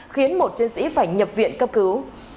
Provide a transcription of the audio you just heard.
khiến một chiến sĩ phải nhập viện cấp cứu